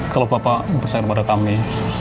kalau bapak mempesan kepada kami